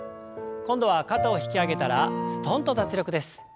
今度は肩を引き上げたらすとんと脱力です。